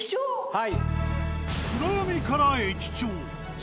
はい。